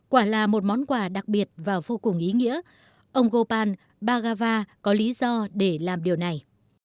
quả là một món quà đặc biệt và vô cùng ý nghĩa ông gopal bagava có lý do để làm điều này